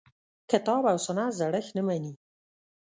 کتاب او سنت زړښت نه مني.